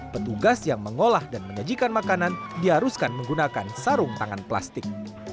petugas yang mengolah dan menyajikan makanan diharuskan menggunakan sarung tangan plastik